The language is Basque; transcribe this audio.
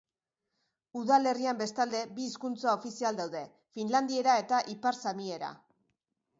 Udalerrian, bestalde, bi hizkuntza ofizial daude: finlandiera eta ipar samiera.